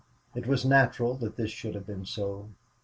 It was natural that this should have been so.